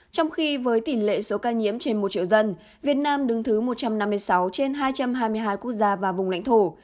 trong khi với tỷ lệ số ca nhiễm trên một triệu dân việt nam đứng thứ một trăm năm mươi sáu trên hai trăm hai mươi hai quốc gia và vùng lãnh thổ